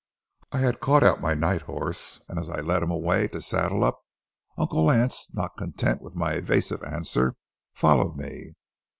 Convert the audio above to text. I had caught out my night horse, and as I led him away to saddle up, Uncle Lance, not content with my evasive answer, followed me.